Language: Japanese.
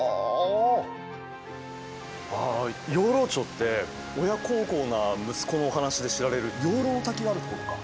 ああ養老町って親孝行な息子のお話で知られる養老の滝があるところか。